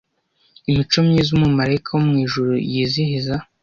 imico myiza umumarayika wo mwijuru yizihiza